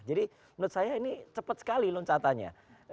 jadi menurut saya ini cepat sekali loncatannya